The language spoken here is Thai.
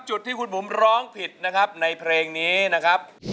จุดที่คุณบุ๋มร้องผิดนะครับในเพลงนี้นะครับ